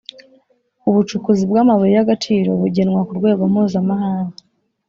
ubucukuzi bw amabuye y agaciro bugenwa ku rwego mpuzamahanga